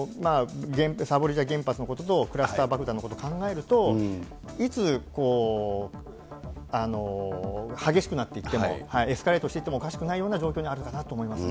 ザポリージャ原発のこととクラスター爆弾のことを考えると、いつ激しくなっていっても、エスカレートしていってもおかしくないような状況にあるかなと思